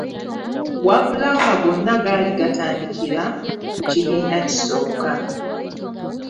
Wabula nga gonna gaali gatandikira ku kibiina kisooka.